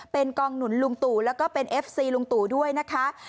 เป็นกองหนุนลุงตู่แล้วก็เป็นเอฟซีลุงตู่ด้วยนะคะ